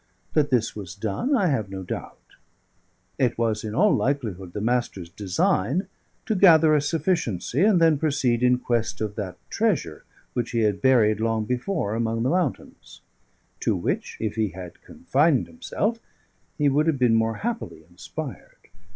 That this was done, I have no doubt. It was in all likelihood the Master's design to gather a sufficiency, and then proceed in quest of that treasure which he had buried long before among the mountains; to which, if he had confined himself, he would have been more happily inspired.